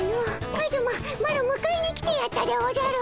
カズママロむかえに来てやったでおじゃる。